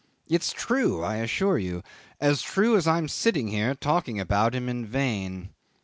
It's true I assure you; as true as I'm sitting here talking about him in vain.